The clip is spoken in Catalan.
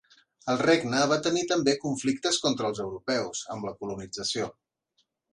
El regne va tenir també conflictes contra els europeus, amb la colonització.